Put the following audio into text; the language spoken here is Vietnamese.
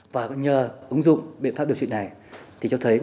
và nhờ ứng dụng biện pháp điều trị này thì cho thấy